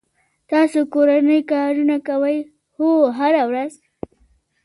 تاسو کورنی کارونه کوئ؟ هو، هره ورځ